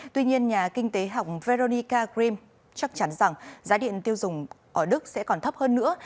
tuy nhiên nhà kinh tế học veronica gream chắc chắn rằng giá điện tiêu dùng ở đức sẽ còn thấp hơn nữa